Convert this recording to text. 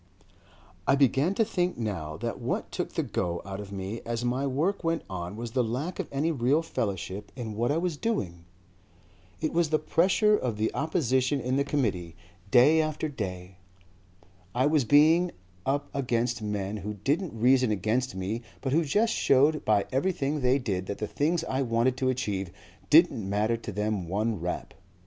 "I began to think now that what took the go out of me as my work went on was the lack of any real fellowship in what I was doing. It was the pressure of the opposition in the Committee, day afterday. It was being up against men who didn't reason against me but who just showed by everything they did that the things I wanted to achieve didn't matter to them one rap.